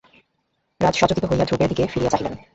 রাজা সচকিত হইয়া ধ্রুবের দিকে ফিরিয়া চাহিলেন।